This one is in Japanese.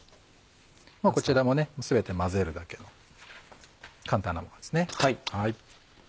こちらも全て混ぜるだけの簡単なものですね。